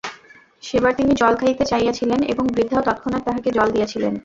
সে-বার তিনি জল খাইতে চাহিয়াছিলেন, এবং বৃদ্ধাও তৎক্ষণাৎ তাহাকে জল দিয়াছিলেন।